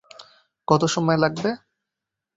কত সময় লাগবে?